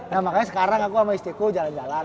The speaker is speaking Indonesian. nah makanya sekarang aku sama istriku jalan jalan